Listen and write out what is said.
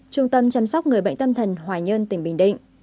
trung tâm chăm sóc người bệnh tâm thần hoài nhân tỉnh bình định